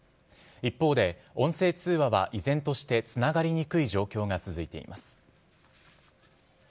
一方で、音声通話は依然としてつながりにくい状況が続いています。